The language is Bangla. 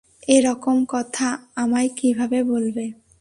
এরকম কথা আমায় কিভাবে বললে?